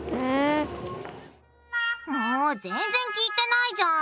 もう全然聞いてないじゃん！